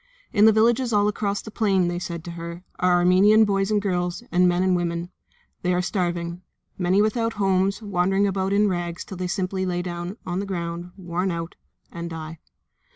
"In the villages all across the plain," they said to her, "are Armenian boys and girls, and men and women. They are starving. Many are without homes, wandering about in rags till they simply lie down on the ground, worn out, and die."